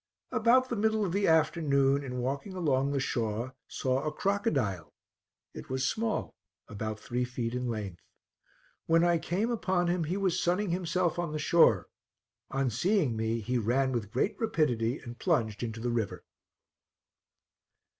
About the middle of the afternoon, in walking along the shore, saw a crocodile; it was small, about three feet in length. When I came upon him, he was sunning himself on the shore; on seeing me, he ran with great rapidity and plunged into the river.